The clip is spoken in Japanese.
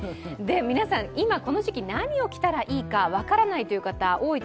皆さん、今、この時期、何を着たらいいか分からないという方多いはず。